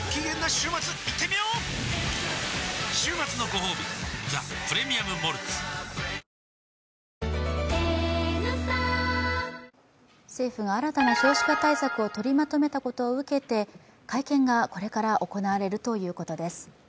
週末のごほうび「ザ・プレミアム・モルツ」政府が新たな少子化対策を取りまとめたことを受けて会見がこれから行われるということです。